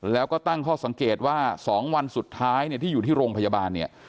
แล้วก็ตั้งข้อสังเกตว่า๒วันสุดท้ายเนี่ยที่อยู่ที่โรงพยาบาลเนี่ย